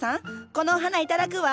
このお花頂くわ。